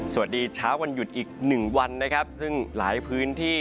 สวัสดีเช้าวันหยุดอีกหนึ่งวันนะครับซึ่งหลายพื้นที่